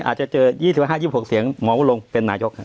อาจจะเจอ๒๕๒๖เสียงมองลงเป็นนายก